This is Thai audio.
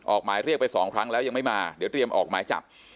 ออกหมายเรียกไปสองครั้งแล้วยังไม่มาเดี๋ยวเตรียมออกหมายจับ